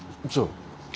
そう。